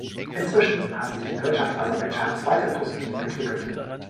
Inzwischen hat sich die Wirtschaft Aserbaidschans weiter positiv entwickelt.